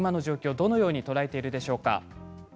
どのように捉えているでしょうか。